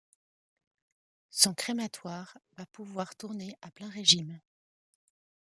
Son crématoire va pouvoir tourner à plein régime.